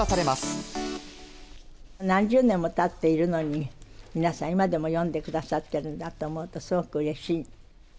何十年もたっているのに、皆さん、今でも読んでくださってるんだと思うと、すごくうれしい。